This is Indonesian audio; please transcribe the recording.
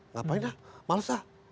ngapain lah males lah